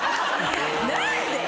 何で？